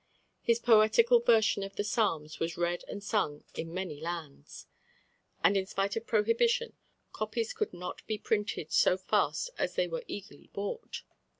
His poetical version of the Psalms was read and sung in many lands; and in spite of prohibition copies could not be printed so fast as they were eagerly bought.